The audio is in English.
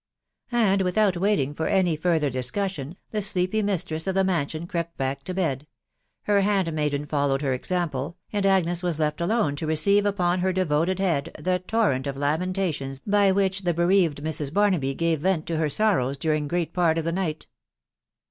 And without waiting for any further discussion, the sleepy mistress of the mansion crept back to \k& »»« «\isst band* THE WIDOW BARNABY* 251 maiden followed her example, and Agnes was left alone to receive upon her devoted head the torrent of lamentations by which the bereaved Mrs. Barnaby gave vent to her sorrows during great part of the night.